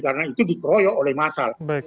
karena itu dikeroyok oleh masyarakat